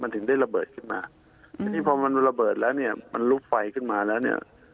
ถึงได้ระเบิดขึ้นมาทีนี้พอมันระเบิดแล้วเนี่ยมันลุกไฟขึ้นมาแล้วเนี่ย